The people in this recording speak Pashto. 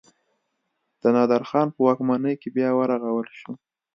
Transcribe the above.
د نادر خان په واکمنۍ کې بیا ورغول شو.